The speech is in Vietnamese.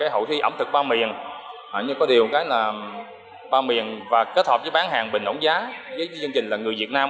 hậu thi ẩm thực ba miền kết hợp với bán hàng bình ổng giá với dân dịch là người việt nam